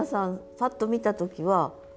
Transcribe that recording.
パッと見た時は。